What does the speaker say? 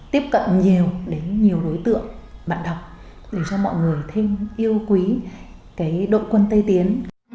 tiếp cận nhiều đến nhiều đối tượng bạn đọc để cho mọi người thêm yêu quý đội quân tây tiến